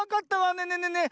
ねえねえねえねえ